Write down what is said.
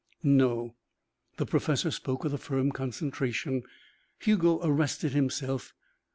"No." The professor spoke with a firm concentration. Hugo arrested himself.